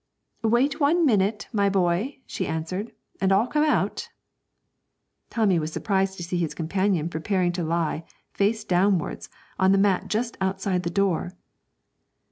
'Wait one minute, my boy,' she answered, 'and I'll come out.' Tommy was surprised to see his companion preparing to lie, face downwards, on the mat just outside the door.